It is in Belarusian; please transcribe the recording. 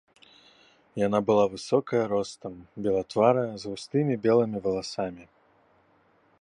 Яна была высокая ростам, белатварая, з густымі белымі валасамі.